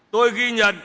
tôi ghi nhận